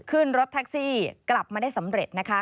ขึ้นรถแท็กซี่กลับมาได้สำเร็จนะคะ